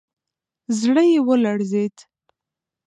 زړه يې ولړزېد.